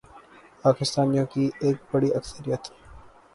پاکستانیوں کی ایک بڑی اکثریت